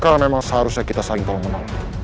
karena memang seharusnya kita saing tolong menolong